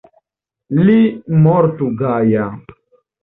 Li mortu gaja.